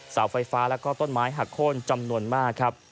เสาไฟฟ้าแล้วก็ต้นไม้หักโค้นจำนวนมากครับ